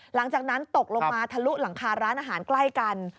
หลังจากนั้นตกลงมาทะลุหลังคาร้านอาหารใกล้กัน